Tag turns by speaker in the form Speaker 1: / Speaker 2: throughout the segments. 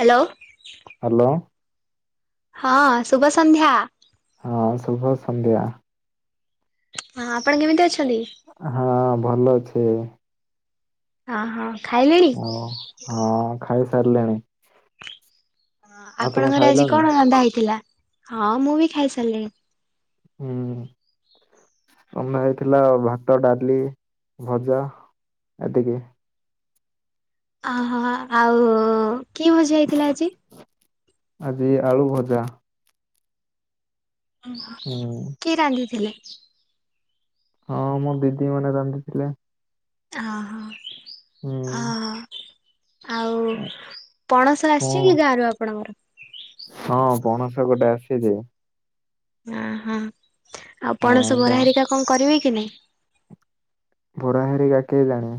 Speaker 1: Hello,
Speaker 2: hello.
Speaker 1: ହଁ, ଶୁଭ ସନ୍ଧ୍ୟା।
Speaker 2: ହଁ, ଶୁଭ ସନ୍ଧ୍ୟା।
Speaker 1: ହଁ, ଆପଣ କେମିତି ଅଛନ୍ତି?
Speaker 2: ହଁ ଭଲ ଅଛି।
Speaker 1: ହ ହଁ, ଖାଇଲେଣି?
Speaker 2: ହ ହଁ, ଖାଇସାରିଲିଣି।
Speaker 1: ହ ଆପଣଙ୍କର ଆଜି
Speaker 2: ଖାଇଲଣି?
Speaker 1: କଣ ରନ୍ଧା ହେଇଥିଲା? ହଁ ମୁଁ ବି ଖାଇସାରିଲିଣି।
Speaker 2: ହୁଁ ବନା ହେଇଥିଲା ଭାତ, ଡାଲି, ଭଜା ଏତିକି।
Speaker 1: ଅହୋ ଆଉ, କି ଭଜା ହେଇଥିଲା ଆଜି?
Speaker 2: ଆଜି ଆଳୁ ଭଜା।
Speaker 1: [unintelligible]
Speaker 2: ହୁଁ।
Speaker 1: କିଏ ରାନ୍ଧିଥିଲେ?
Speaker 2: ହଁ ମୋ ଦିଦି ମାନେ ରାନ୍ଧିଥିଲେ।
Speaker 1: ହଁ
Speaker 2: ହୁଁ
Speaker 1: ହଁ ହ ହ। ଆଉ, ପଣସ ଆସିଛି କି ଗାଁ ରୁ ଆପଣଙ୍କର?
Speaker 2: ହଁ, ପଣସ ଗୋଟେ ଆସିଚି।
Speaker 1: ଓ ହୋ, ଆଉ
Speaker 2: ହଁ
Speaker 1: ପଣସ
Speaker 2: ତ
Speaker 1: ବରା ହେରିକା କଣ କରିବେ କି ନାଇଁ?
Speaker 2: ବରା ହେରିକା କେଇଜାଣି?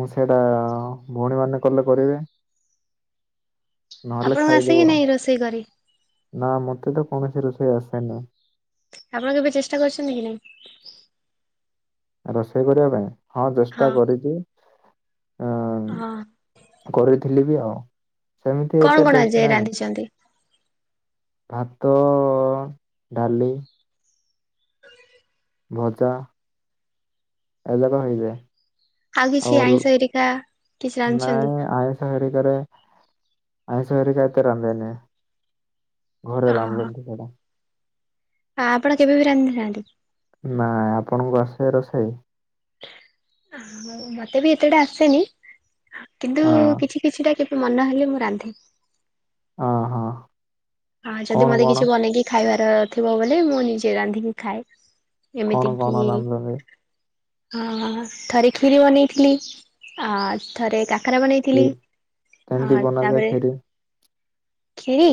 Speaker 2: ମୁଁ ସେଇଟା, ଭଉଣୀ ମାନେ କଲେ କରିବେ। ନହେଲେ
Speaker 1: ଆପଣଙ୍କୁ ଆସେ କି
Speaker 2: ଖାଇଦବୁ ଆଉ,
Speaker 1: ନାଇଁ ରୋଷେଇ କରି?
Speaker 2: ନା ମତେ ତ କୌଣସି ରୋଷେଇ ଆସେନି।
Speaker 1: ଆପଣ କେବେ ଚେଷ୍ଟା କରିଚନ୍ତି କି ନାହିଁ?
Speaker 2: ରୋଷେଇ କରିବା ପାଇଁ, ହଁ ଚେଷ୍ଟା କରିଚି, ଅଁ
Speaker 1: ହଁ।
Speaker 2: କରିଥିଲି ବି ହଁ, ସେମିତି
Speaker 1: କଣ
Speaker 2: ଏତେ
Speaker 1: କଣ ଆଜି
Speaker 2: ଟେଷ୍ଟ୍ ନାହିଁ।
Speaker 1: ରାନ୍ଧିଛନ୍ତି?
Speaker 2: ଭାତ, ଡାଲି
Speaker 1: [unintelligible]
Speaker 2: ଭଜା, ଏଯାକେ ହୋଇଯାଏ।
Speaker 1: ଆଉ କିଛି ଆଇଁଷ ହେରିକା କିଛି ରାନ୍ଧିଚନ୍ତି?
Speaker 2: ନାଇଁ [unintelligible] ଆଇଁଷ ହେରିକା ତ ରାନ୍ଧିନି। ଘରେ ରାନ୍ଧନ୍ତି ସେଟା।
Speaker 1: ଆଉ ଆପଣ କେବେ ବି ରାନ୍ଧି ନାହାନ୍ତି?
Speaker 2: ନାଇଁ, ଆପଣଙ୍କୁ ଆସେ ରୋଷେଇ?
Speaker 1: ମତେ ବି ଏତେଟା ଆସେନି କିନ୍ତୁ
Speaker 2: ହଁ
Speaker 1: କିଛି କିଛିଟା, କେବେ ମନ ହେଲେ ମୁଁ ରାନ୍ଧେ।
Speaker 2: ଓ ହଁ।
Speaker 1: ହଁ ଯଦି
Speaker 2: କଣ
Speaker 1: ମତେ
Speaker 2: କଣ
Speaker 1: କିଛି ବନେଇକି ଖାଇବାର ଥିବ ବୋଲି, ମୁଁ ନିଜେ ରାନ୍ଧିକି ଖାଏ।
Speaker 2: କଣ
Speaker 1: ଏମିତି
Speaker 2: କଣ ରାନ୍ଧନ୍ତି
Speaker 1: [unintelligible] ହଁ, ଥରେ କ୍ଷୀରି ବନେଇଥିଲି, ଆ ଥରେ କା ଥରେ ବନେଇେଇଥିଲି,
Speaker 2: କ୍ଷୀରି
Speaker 1: ଆ
Speaker 2: କେମିତି ବନାଯାଏ
Speaker 1: ତାପରେ
Speaker 2: କ୍ଷୀରି
Speaker 1: କ୍ଷୀରି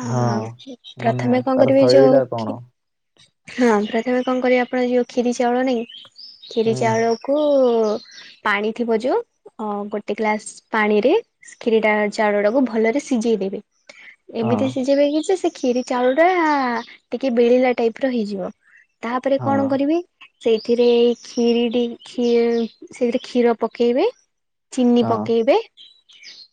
Speaker 1: ଆ
Speaker 2: ହଁ
Speaker 1: ହଉଚି
Speaker 2: ମାନେ
Speaker 1: ପ୍ରଥମେ କଣ
Speaker 2: ତାର
Speaker 1: କରିବେ,
Speaker 2: ଶୈଳୀ ଟା
Speaker 1: ଯୋଉ
Speaker 2: କଣ
Speaker 1: କ୍ଷୀ ହଁ, ପ୍ରଥମେ କଣ କରିବ ଆପଣ ଯଉ କ୍ଷିରି ଚାଉଳ ନେଇ, କ୍ଷିରି
Speaker 2: ହୁଁ
Speaker 1: ଚାଉଳକୁ ପାଣି ଥିବ ଯୋଉ, ଅ ଗୋଟେ ଗ୍ଲାସ ପାଣିରେ କ୍ଷୀରିଟା ଚାଉଳ ଟାକୁୁ ଭଲରେ ସିଝେଇ ଦେବେ
Speaker 2: ହଁ
Speaker 1: ଏମିତି ସିଝେଇିବ କି ଯେ ସେ କ୍ଷିରି ଚାଉଳ ଟା ଟିକେ ବିଳିଲା ଟାଇପ ର ହେଇଯିବ ତାହାପରେ କଣ
Speaker 2: ହଁ
Speaker 1: କରିବି ସେଇଥିରେ କ୍ଷୀରି ଦେଇ କ୍ଷୀ ସେଥିରେ କ୍ଷୀର ପକେଇବେ ଚିନି
Speaker 2: ହଁ
Speaker 1: ପକେଇବେ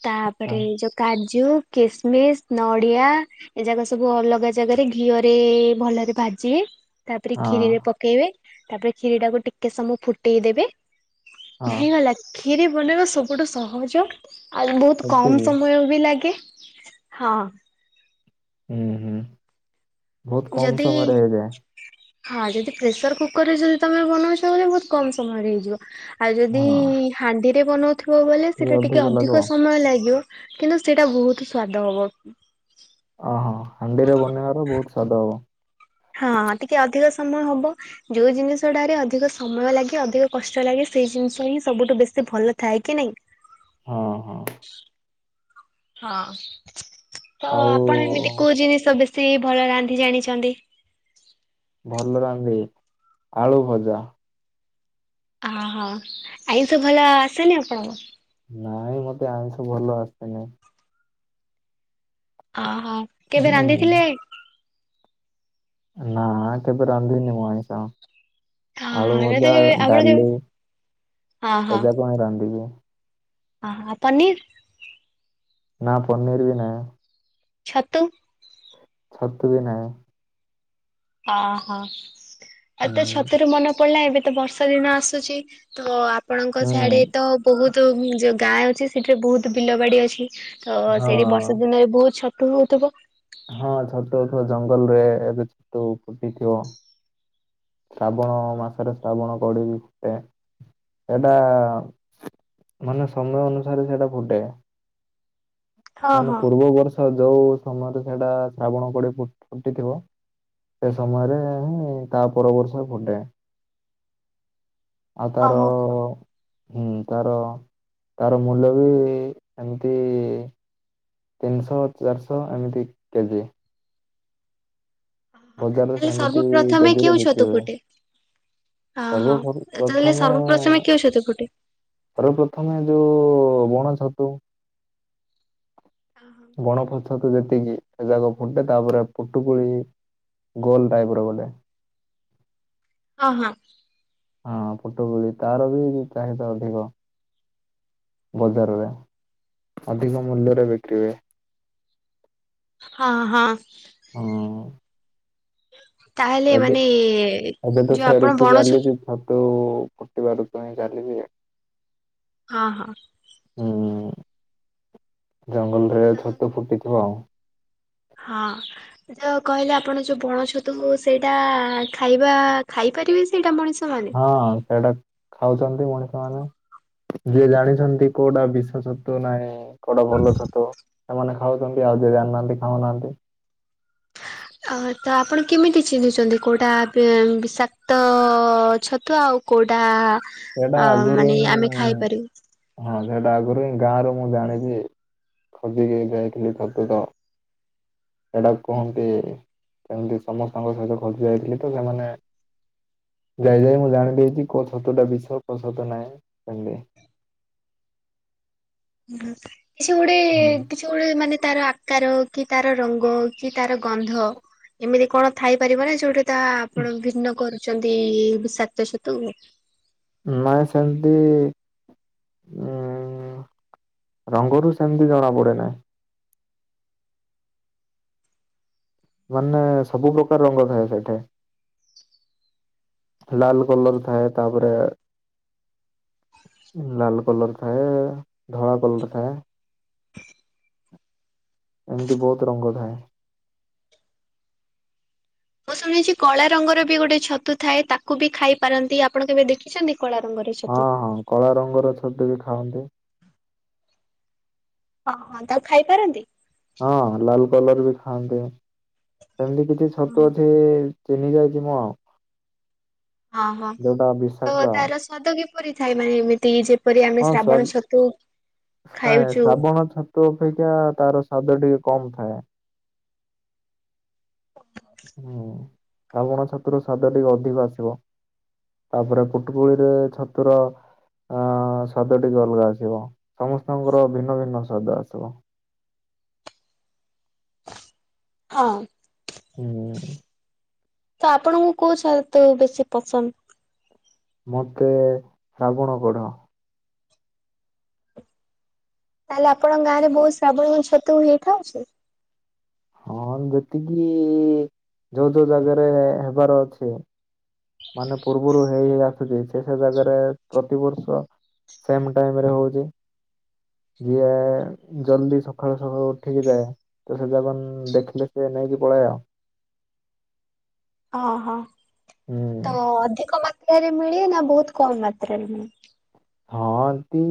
Speaker 1: ତାପରେ ଯ କାଜୁ କିସ୍ମିସ୍ ନଡ଼ିଆ ଏ ଯାଗ ସବୁ ଅଲଗା ଜାଗାରେ ଘିଅରେ ଭଲରେ ଭାଜିବେ ତାପରେ ଖିରି
Speaker 2: ହଁ
Speaker 1: ରେ ପକେଇବେ ତାପରେ କ୍ଷୀରି ଟାକୁ ଟିକେ ସମୟ ଫୁଟେଇ ଦେବେ
Speaker 2: ହଁ
Speaker 1: ହେଇଗଲା ଖିରି ବନେଇବା ସବୁଠୁ ସହଜ ଆଉ ବହୁତ କମ
Speaker 2: ଏତିକି
Speaker 1: ସମୟ ବି ଲାଗେ ହଁ
Speaker 2: ହୁଁ ହୁଁ ବହୁତ କମ
Speaker 1: ଯଦି
Speaker 2: ସମୟରେ ହେଇଯାଏ।
Speaker 1: ହଁ ଯଦି ପ୍ରେସର କୁକର ରେ ଯଦି ତମେ ବନଉଛ ବଇଲେ ବହୁତ କମ ସମୟ ରେ ହେଇଯିବ ଆଉ ଯଦି
Speaker 2: ହଁ
Speaker 1: ହାଣ୍ଡିରେ ବନଉଥିବ ବୋଲେ ସେଟା ଟିକେ ଅଧିକ ସମୟ ଲାଗିବ କିନ୍ତୁ ସେଇଟା ବହୁତ ସ୍ଵାଦ ହବ
Speaker 2: ଓହୋ ହାଣ୍ଡିରେ ବନେଇବାର ବହୁତ ସ୍ଵାଦ ହବ
Speaker 1: ହଁ ଟିକେ ଅଧିକ ସମୟ ହବ ଯୋଉ ଜିନିଷଟାରେ ଅଧିକ ସମୟ ଲାଗେ ଅଧିକ କଷ୍ଟ ଲାଗେ ସେଇ ଜିନିଷ ହିଁ ସବୁଠୁ ବେଶୀ ଭଲ ଥାଏ କି ନାଇଁ
Speaker 2: ହଁ ହଁ।
Speaker 1: ହଁ ତ
Speaker 2: ଆଉ
Speaker 1: ଆପଣ ଏମିତି କୋଉ ଜିନିଷ ବେଶୀ ଭଲ ରାନ୍ଧି ଜାଣିଛନ୍ତି।
Speaker 2: ଭଲ ରାନ୍ଧି ଆଳୁ ଭଜା।
Speaker 1: ଅ ହ ଆଇଁଷ ଭଲ ଆସେନି ଆପଣଙ୍କୁ।
Speaker 2: ନାଇଁ ମତେ ଆମିଷ ଭଲ ଆସିନାଇଁ।
Speaker 1: ଅହୋ କେବେ
Speaker 2: ହୁଁ
Speaker 1: ରାନ୍ଧିଥିଲେ?
Speaker 2: ନା କେବେ ରାନ୍ଧିନି ମୁଁ ଆଇଁଷ।
Speaker 1: ଓହୋ
Speaker 2: ଆଳୁ
Speaker 1: ନାଇଁ ତ
Speaker 2: ଭଜା
Speaker 1: କେବେ ଆପଣ କେବେ
Speaker 2: ଡାଲି
Speaker 1: ହଁ
Speaker 2: ସେଜାକ ହିଁ ରାନ୍ଧିବି।
Speaker 1: ଅ ହଁ ପନିର୍।
Speaker 2: ନାଁ ପନିର୍ ବି ନାଇଁ।
Speaker 1: ଛତୁ।
Speaker 2: ଛତୁ ବି ନାହିଁ।
Speaker 1: ଅ ହ ଆଉ ତ
Speaker 2: ହୁଁ
Speaker 1: ଛତୁରେ ମନ ପଡିଲା ଏବେ ତ ବର୍ଷା ଦିନ ଆସୁଛି ତ ଆପଣଙ୍କ
Speaker 2: ହୁଁ
Speaker 1: ସିଆଡେ ତ ବହୁତ ତ ଯୋଉ ଗାଁ ଅଛି ସେଠିରେ ବହୁତ ବିଲ ବାଡି ଅଛି ତ
Speaker 2: ହଁ।
Speaker 1: ସେଇଠି ବର୍ଷା ଦିନରେ ବହୁତ ଛତ ତୁ ହଉଥିବ।
Speaker 2: ହଁ ଛତୁ ହଉଥିବ ଜଙ୍ଗଲ ରେ ଏବେ ଛତୁ ଫୁଟିଥିବ। ଶ୍ରାବଣ ମାସରେ ଶ୍ରାବଣ କଢ଼ି ବି ଫୁଟେ। ସେଇଟା ମାନେ ସମୟ ଅନୁସାରେ ସେଇଟା ଫୁଟେ।
Speaker 1: ହଁ
Speaker 2: ମାନେ
Speaker 1: ହଁ
Speaker 2: ପୂର୍ବ ବର୍ଷ ଯୋଉ ସମୟରେ ସେଇଟା ଶ୍ରାବଣ କୋଢ଼ି ଫୁଟିଥିବ ସେ ସମୟରେ ତା ପର ବର୍ଷ ଫୁଟେ।
Speaker 1: [inaudible]
Speaker 2: ଆଉ ତାର
Speaker 1: ଓହୋ
Speaker 2: ହୁଁ ତାର ତାର ମୂଲ୍ୟ ବି ଏମିତି ତିନିଶହ ଚାରିଶହ ଏମିତି କେଜି।
Speaker 1: ଓ
Speaker 2: ବଜାରରେ
Speaker 1: ତାହଲେ
Speaker 2: ସେମିତି
Speaker 1: ସର୍ବପ୍ରଥମେ
Speaker 2: କେଜିରେ
Speaker 1: କେଉଁ
Speaker 2: ବିକ୍ରି
Speaker 1: ଛତୁ
Speaker 2: ହୁଏ।
Speaker 1: ଫୁଟେ? ଅହ
Speaker 2: ସର୍ବ
Speaker 1: ତାହେଲେ
Speaker 2: ପ୍ରଥମେ
Speaker 1: ସର୍ବପ୍ରଥମେ କେଉଁ ଛତୁ ଫୁଟେ?
Speaker 2: ସର୍ବପ୍ରଥମେ ଯୋଉ ବଣ ଛତୁ।
Speaker 1: ହୁଁ।
Speaker 2: ବଣ ପଛ ତ ଯେତିକି ସେ ଯାକ ଫୁଟେ ତାପରେ ପୁଟୁକୁୁଳି ଗୋଲ ଟାଇପର ଗୋଟେ।
Speaker 1: ଓ ହଁ।
Speaker 2: ହଁ ଫୁଟଗୁଳି ତାର ବି ଚାହିଦା ଅଧିକ ବଜାରରେ ଅଧିକ ମୂଲ୍ୟରେ ବିକ୍ରିହୁଏ।
Speaker 1: ହଁ ହଁ।
Speaker 2: ହଁ।
Speaker 1: ତାହେଲେ
Speaker 2: ଏ
Speaker 1: ମାନେ
Speaker 2: ଏବେ ତ
Speaker 1: ଯୋଉ ଆପଣ
Speaker 2: ସିଆଡକୁ
Speaker 1: ବଣ ଛତୁ
Speaker 2: ଚାଲିଚି ଛ ଆଉ ଫୁଟିବାର ହିଁ ଚାଲିଚି ଯେ।
Speaker 1: ହଁ ହଁ।
Speaker 2: ହୁଁ ଜଙ୍ଗଲରେ ଛତୁ ଫୁଟିଥିବ ଆଉ।
Speaker 1: ହଁ। କହିଲେ ଆପଣ ଯଉ ବଣ ଛତୁ ସେଇଟା ଖାଇବା ଖାଇପାରିବେ ସେଇଟା ମଣିଷ? ମାନେ?
Speaker 2: ହଁ ସେଇଟା ଖାଉଛନ୍ତି ମଣିଷ ମାନେ ଯିଏ ଜାଣିଛନ୍ତି କୋଉଟା ବିଷ ଛତୁ ନାହିଁ। କଉଟା ଭଲ ଛତୁ ସେମାନେ ଖାଉଛନ୍ତି ଆଉ ଯଦି ଜାଣିନାହାନ୍ତି ଖାଉନାହାନ୍ତି।
Speaker 1: ଅ ତ ଆପଣ କେମିତି ଚିହ୍ନିଛନ୍ତି କୋଉଟା ବିଷାକ୍ତ ଛତୁ ଆଉ କୋଉଟା
Speaker 2: ସେଇଟା ଆଗରୁ
Speaker 1: ମାନେ
Speaker 2: ହିଁ
Speaker 1: ଆମେ ଖାଇପାରିବୁ?
Speaker 2: ହଁ ସେଟା ଆଗରୁ ହିଁ ଗାଁରୁ ମୁଁ ଜାଣିଛି ଖୋଜିକି ଯାଇଥିଲି ଛତୁ ତ। ସେଇଟା କୁହନ୍ତି କେମିତି ସମସ୍ତଙ୍କ ସହିତ ଖୋଜି ଯାଇଥିଲି ତ ସେମାନେ ଯାଇ ଯାଇ ମୁଁ ଜାଣିିଦେଇଛି କୋଉ ଛତୁଟା ବିଷ କୋଉ ଛତୁ ନାହିଁ ଏମିତି।
Speaker 1: ଏ ସେ ଗୋଟେ ଗଳି ମାନେ ତାର ଆକାର କି ତାର ରଙ୍ଗ କି ତାର ଗନ୍ଧ। ଏମିତି କଣ ଥାଇପାରିବ ନା ଯୋଉଠି ତା ଆପଣ ଭିନ୍ନ କରୁଛନ୍ତି ସାତ ଛତୁ।
Speaker 2: ନାଇଁ ସେମିତି ଉ ରଙ୍ଗରୁ ସେମିତି ଜଣାପଡେ ନାହିଁ। ମାନେ ସବୁ ପ୍ରକାର ରଙ୍ଗ ଥାଏ ସେଇଠେ। ଲାଲ କଲର ଥାଏ ତାପରେ। ଲାଲ କଲର ଥାଏ ଧଳା କଲର ଥାଏ। ଏମିତି ବହୁତ ରଙ୍ଗ ଥାଏ।
Speaker 1: ମୁଁ ଶୁଣଛି କଳା ରଙ୍ଗର ବି ଗୋଟେ ଛତୁ ଥାଏ ତାକୁ ବି ଖାଇ ପାରନ୍ତି ଆପଣ କେବେ ଦେଖିଛନ୍ତି? କଳା ରଙ୍ଗରେ
Speaker 2: ହଁ ହଁ କଳା ରଙ୍ଗର ଛତୁ ବି ଖାଆନ୍ତି।
Speaker 1: ଓହଁ ତାକୁ ଖାଇ ପାରନ୍ତି?
Speaker 2: ହଁ ଲାଲ କଲର ବି ଖାଆନ୍ତେ ସେମିତି କିଛି ଛତୁ ଅଛି। ଚତିିନି ଯାଇଛିି ମୁଁ ଆଉ ଯୋଉଟା ବିଷାକ୍ତ ଆଉ।
Speaker 1: ସ୍ୱାଦ କିପରି ଥାଏ ମାନେ ଏମିତି ଯେପରି ଆମେ
Speaker 2: ହଁ ସ୍ୱା
Speaker 1: ଶ୍ରାବଣ ଛତୁ ଖାଉଛୁ।
Speaker 2: ତ ଅପେକ୍ଷା ତାର ସ୍ଵାଦ ଟିକେ କମ ଥାଏ।
Speaker 1: ହ [inaudible]
Speaker 2: ହୁଁ ଶ୍ରାବଣ ଛତୁର ସ୍ୱାଦ ଟିକେ ଅଧିକ ଆସିବ। ତାପରେ କୁଟୁକୁଳିରେ ଛତୁର ଅ ସ୍ୱାଦ ଟିକେ ଅଲଗା ଆସିବ ସମସ୍ତଙ୍କର ଭିନ୍ନ ଭିନ୍ନ ସ୍ୱାଦ ଆସିବ।
Speaker 1: ହଁ।
Speaker 2: ହୁଁ।
Speaker 1: ତ ଆପଣଙ୍କୁ କୋଉ [unintelligible] ତ ବେଶୀ ପସନ୍ଦ।
Speaker 2: ମୋତେ ଶ୍ରାବଣ କଢ।
Speaker 1: ତାହେଲେ ଆପଣଙ୍କ ଗାଁରେ ବହୁ ଶ୍ରାବଣୀଙ୍କ ଛତୁ ହେଇଥାଉଛି।
Speaker 2: ହଁ ଯେତିକି ଯୋଉ ଯୋଉ ଜାଗାରେ ହେବାର ଅଛି। ମାନେ ପୂର୍ବରୁ ହେଇ ଆସୁଛି ସେ ସେ ଜାଗାରେ ପ୍ରତିବର୍ଷ ସେମ୍ ଟାଇମ୍ ରେ ହଉଛି। ଯିଏ ଜଲଦି ସକାଳୁ ସକାଳୁ ଉଠିକି ଯାଏ। ତ ସେ ଯାଗନ ଦେଖିଲେ ସେ ନେଇକି ପଳେଇ ଆଉ।
Speaker 1: ଓ ହଁ
Speaker 2: ହୁଁ
Speaker 1: ତ ଅଧିକ ମାତ୍ରାରେ ମିଳେ ନା ବହୁତ କମ୍ ମାତ୍ରାରେ ମିଳେ।
Speaker 2: ହଁ ଏମିତି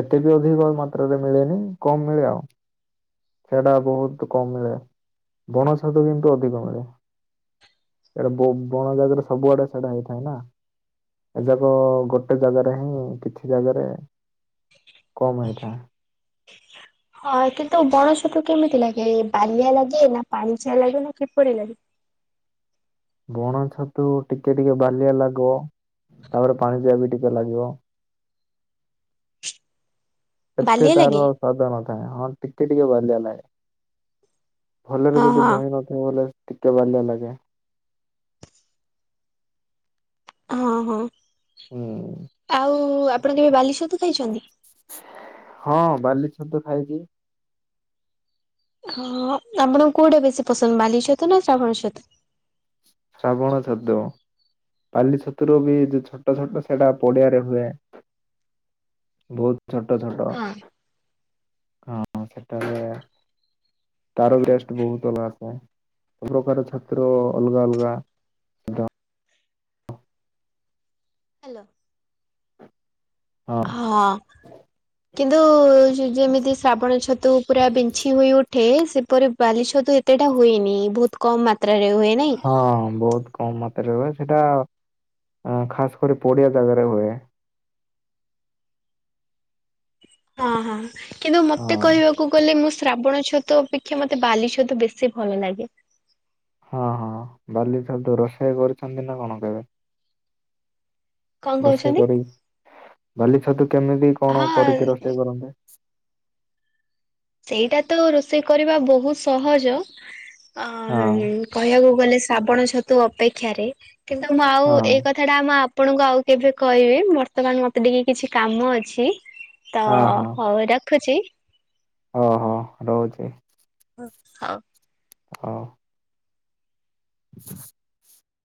Speaker 2: ଏତେ ବି ଅଧିକ ମାତ୍ରାରେ ମିଳେନି କମ୍ ମିଳେ ଆଉ। ସେଟା ବହୁତ୍ କମ୍ ମିଳେ ବଣ ଛତୁ କିନ୍ତୁ ଅଧିକ ମିଳେ। ଏଇଟା ବ ବଣଜାଗରେ ସବୁଆଡେ ସେଇଟା ହେଇଥାଏ ନା। ଏଯାକ ଗୋଟେ ଜାଗାରେ ହିଁ କିଛି ଜାଗାରେ। କମ୍ ହେଇଥାଏ।
Speaker 1: ହଁ କିନ୍ତୁ ବଣ ଛତୁ କେମିତି ଲାଗେ ବାଲିଆ ଲାଗେ ନା ପାଇଁଚିଆ ଲାଗେ ନା କିପରି ଲାଗେ।
Speaker 2: ବଣ ଛତୁ ଟିକେ ଟିକେ ବାଲିଆ ଲାଗିବ ତାପରେ ପାଣି ଚିଆ ବି ଟିକେ ଲାଗିବ। ଏତେ
Speaker 1: ବାଲିଆ
Speaker 2: ତାର
Speaker 1: ଲାଗେ?
Speaker 2: ସ୍ୱାଧ ନଥାଏ ହଁ ଟିକେ ଟିକେ ବାଲିଆ ଲାଗେ। ଭଲରେ
Speaker 1: ହଁ
Speaker 2: ଯଦି
Speaker 1: ହଁ
Speaker 2: ଧୋଇ ନଥିବ ବଲେ ଟିକେ ବାଲିଆ ଲାଗେ।
Speaker 1: ହଁ ହଁ
Speaker 2: ହୁଁ
Speaker 1: ଆଉ ଆପଣ କେବେ ବାଲି ଛତୁ ଖାଇଛନ୍ତି?
Speaker 2: ହଁ ବାଲି ଛତୁ ଖାଇଛି।
Speaker 1: ହଁ ଆପଣ କୋଉଟା ବେଶୀ ପସନ୍ଦ ବାଲି ଛତୁ ନା ଶ୍ରାବଣ ଛତୁ।
Speaker 2: ଶ୍ରାବଣ ଛତୁ। ପାଲି ଛତୁର ବି ଛୋଟ ଛୋଟ ସେଇଟା ପଡିଆରେ ହୁଏ। ବହୁତ୍ ଛୋଟ ଛୋଟ।
Speaker 1: ହଁ।
Speaker 2: ହଁ ସେଟା। ତାର ବି ଟିଷ୍ଟ ବହୁତ୍ ଅଲଗା ଥିଏ ସବୁପକାର ଛତୁ ର ଅଲଗା ଅଲଗା। ସ୍ୱାଦ
Speaker 1: ହ୍ୟାଲୋ
Speaker 2: ହଁ
Speaker 1: ହଁ କିନ୍ତୁ ଯେମିତି ଶ୍ରାବଣ ଛତୁ ପୁରା ବିଂଛିି ହୋଇ ଉଠେ ସେପରି ବାଲି ଛତୁ ସେଟା ହୁଏନି ବହୁତ କମ୍ ମାତ୍ରାରେ ହୁଏ ନାଇଁ।
Speaker 2: ହଁ ବହୁତ୍ କମ୍ ମାତ୍ରାରେ ହୁଏ ସେଇଟା ଖାସ୍ କରି ପଡିଆ ଜାଗାରେ ହୁଏ
Speaker 1: ହଁ ହଁ କିନ୍ତୁ ମତେ
Speaker 2: ହଁ
Speaker 1: କହିବାକୁ ଗଲେ ମୁଁ ଶ୍ରାବଣ ଛତୁ ଅପେକ୍ଷା ମତେ ବାଲି ଛତୁ ବେଶୀ ଭଲ ଲାଗେ
Speaker 2: ହଁ ହଁ ବାଲି ଛତୁ ରୋଷେଇ କରୁଛନ୍ତି ନା କଣ କେବେ
Speaker 1: କଣ
Speaker 2: ରୋଷେଇ
Speaker 1: କହୁଛନ୍ତି?
Speaker 2: କରି ବାଲି ଛତୁ କେମିତି କଣ
Speaker 1: ହଁ
Speaker 2: କରିକି ରୋଷେଇ କରନ୍ତି
Speaker 1: ସେଇଟା ତ ରୋଷେଇ କରିବା ବହୁତ ସହଜ
Speaker 2: ହଁ
Speaker 1: କହିବାକୁ ଗଲେ ଶ୍ରାବଣ ଛତୁ ଅପେକ୍ଷାରେ, କିନ୍ତୁ ମୁଁ ଆଉ
Speaker 2: ହଁ।
Speaker 1: ଏଇ କଥା ଟା ମାମ୍ ଆପଣଙ୍କୁ ଆଉ କେବେ କହିବି ବର୍ତ୍ତମାନ ମତେ ଟିକେ କିଛି କାମ ଅଛି ତ
Speaker 2: ହଁ
Speaker 1: ହଉ ରଖୁଛି।
Speaker 2: ହଁ ହଁ ରହୁଛି।
Speaker 1: ହ ହଉ।
Speaker 2: ହଁ [inaudible]